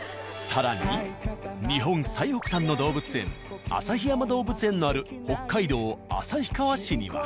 更に日本最北端の動物園旭山動物園のある北海道旭川市には。